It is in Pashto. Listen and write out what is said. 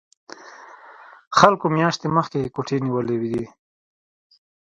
خلکو میاشتې مخکې کوټې نیولې وي